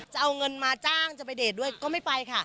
จะเอาเงินมาจ้างจะไปเดทด้วยก็ไม่ไปค่ะ